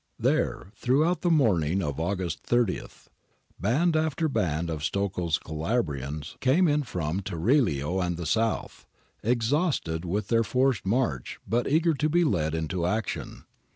There, throughout the morning of August 30, band after band of Stocco's Calabrians came in from Tiriolo and the south, exhausted with their forced march but eager to be led into action.